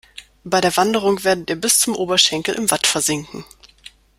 Bei der Wanderung werdet ihr bis zum Oberschenkel im Watt versinken.